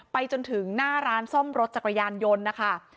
จนถึงหน้าร้านซ่อมรถจักรยานยนต์นะคะ